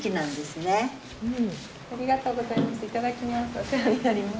ありがとうございます。